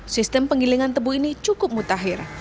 sistem penggilingan tebu ini cukup mutakhir